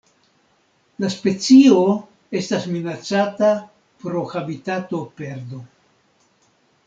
La specio estas minacata pro habitatoperdo.